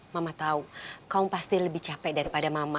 mama tau kamu pasti lebih capek daripada mama